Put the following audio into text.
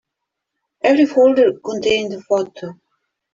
Every folder contained a photo.